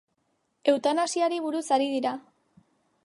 Eutanasiari buruz ari dira.